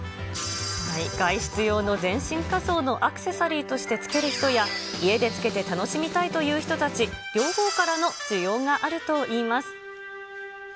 外出用の全身仮装用のアクセサリーとしてつける人や、家でつけて楽しみたいという人たち、両方からの需要があるといいます。